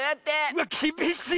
うわっきびしっ！